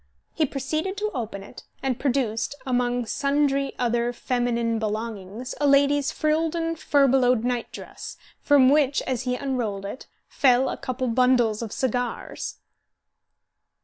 He proceeded to open it, and produced, among sundry other feminine belongings, a lady's frilled and furbelowed night dress, from which, as he unrolled it, fell a couple of bundles of cigars!